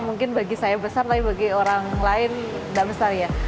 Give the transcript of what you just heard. mungkin bagi saya besar tapi bagi orang lain tidak besar ya